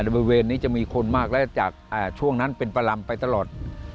บริเวณนี้จะมีคนมากและจากช่วงนั้นเป็นประลำไปตลอด